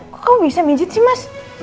kok kau bisa mijit sih mas